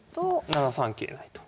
７三桂成と。